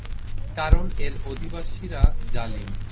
কারণ এর অধিবাসীরা জালিম।